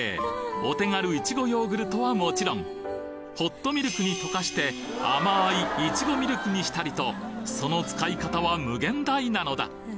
お手軽イチゴヨーグルトはもちろんホットミルクに溶かして甘いイチゴミルクにしたりとその使い方は無限大なのだ